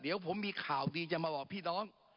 เดี๋ยวผมมีข่าวดีจะมาบอกพี่น้อง